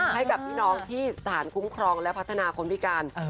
ให้กับพี่น้องที่สถานคุ้มครองและพัฒนาคนพิการ